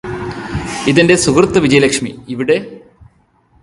ഇതെന്റെ സുഹൃത്ത് വിജയലക്ഷ്മി ഇവിടെ